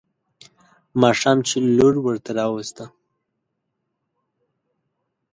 ماښام چې لور ورته راوسته.